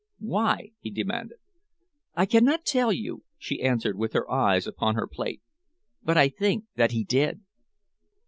"Why?" he demanded. "I cannot tell you," she answered, with her eyes upon her plate, "but I think that he did."